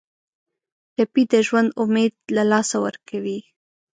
ټپي د ژوند امید له لاسه ورکوي.